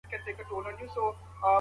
رضایت پاڼه ولي لاسلیک کیږي؟